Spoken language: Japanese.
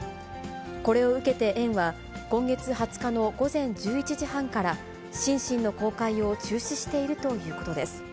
これを受けて園は、今月２０日の午前１１時半から、シンシンの公開を中止しているということです。